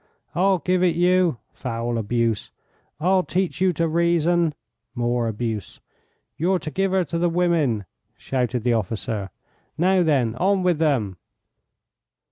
"I'll give it you" (foul abuse); "I'll teach you to reason" (more abuse); "you're to give her to the women!" shouted the officer. "Now, then, on with them."